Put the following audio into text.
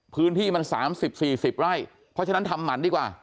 พื้นที่มัน๓๐๔๐ไร่เพราะฉะนั้นทำหมันดีกว่า